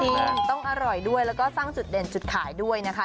จริงต้องอร่อยด้วยแล้วก็สร้างจุดเด่นจุดขายด้วยนะคะ